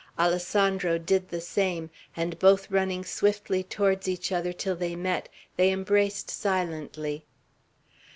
Alessandro did the same, and both running swiftly towards each other till they met, they embraced silently.